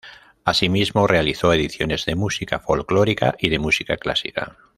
Asimismo realizó ediciones de música folclórica y de música clásica.